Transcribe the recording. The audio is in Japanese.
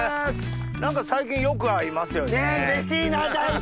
何か最近よく会いますよね？